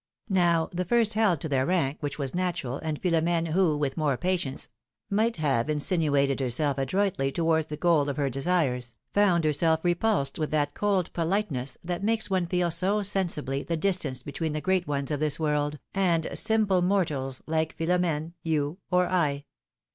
Now, the first held to their rank, wdiich was natural, and Philora^ne, who, with more patience, might have insinuated herself adroitly towards the gaol of her desires, found herself repulsed with that cold politeness that makes one feel so sensibly the distance between the great ones of this world, and simple mortals, like Philom^ne, you or I.